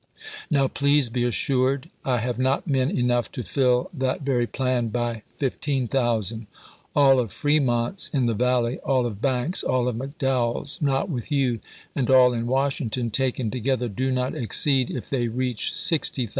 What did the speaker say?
Now, please be assured I have not men enough to fill that very plan by 15,000. All of Fremont's in the Valley, all of Banks's, all of McDowell's not with you, and all in Washington, taken together, do not exceed, if they reach, 60,000.